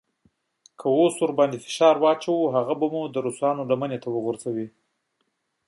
که اوس پرې فشار واچوو هغه به مو د روسانو لمنې ته وغورځوي.